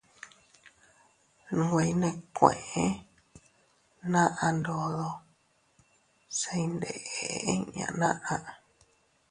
Nwe iynèkueʼe naʼa ndodo se iyndeʼe inña naʼa.